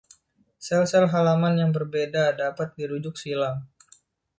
Sel-sel halaman yang berbeda dapat dirujuk silang.